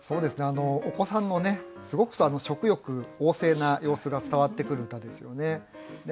お子さんのすごく食欲旺盛な様子が伝わってくる歌ですよね。